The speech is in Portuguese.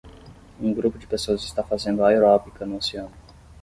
Um grupo de pessoas está fazendo aeróbica no oceano.